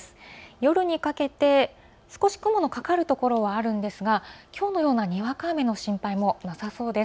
夜にかけても少し雲のかかるところがあるんですがきょうのようなにわか雨の心配もなさそうです。